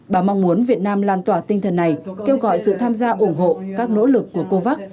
bà mong muốn việt nam lan tỏa tinh thần này kêu gọi sự tham gia ủng hộ các nỗ lực của covax